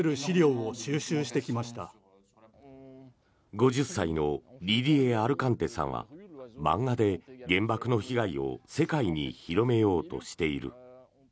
５０歳のディディエ・アルカンテさんは漫画で原爆の被害を世界に広めようとしている。